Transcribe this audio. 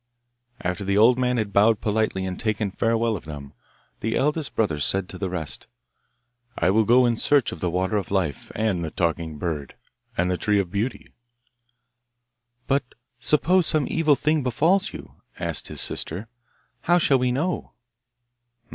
After the old man had bowed politely and taken farewell of them the eldest brother said to the rest, 'I will go in search of the water of life, and the talking bird, and the tree of beauty.' 'But suppose some evil thing befalls you?' asked his sister. 'How shall we know?